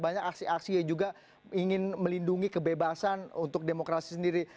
banyak aksi aksi yang juga ingin melindungi kebebasan untuk demokrasi sendiri